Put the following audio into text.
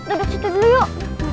duduk situ dulu yuk